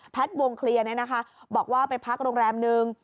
แพทย์วงเคลียร์เนี่ยนะคะบอกว่าไปพักโรงแรมนึง